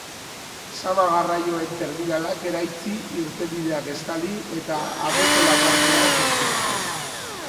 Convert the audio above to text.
Zama-garraioen terminalak eraitsi, trenbideak estali eta Ametzola parkea sortu zuten.